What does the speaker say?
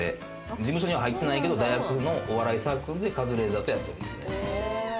事務所には入ってないけれど、大学のお笑いサークルでカズレーザーとやってた。